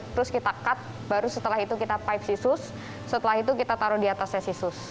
terus kita cut baru setelah itu kita pipe sisus setelah itu kita taruh di atasnya si sus